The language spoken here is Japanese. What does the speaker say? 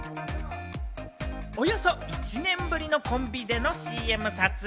およそ１年ぶりのコンビでのＣＭ撮影。